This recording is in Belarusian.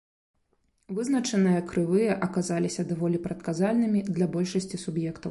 Вызначаныя крывыя аказаліся даволі прадказальнымі для большасці суб'ектаў.